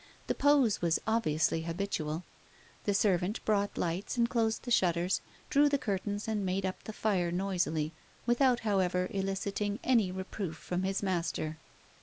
The pose was obviously habitual. The servant brought lights and closed the shutters, drew the curtains, and made up the fire noisily, without, however, eliciting any reproof from his master.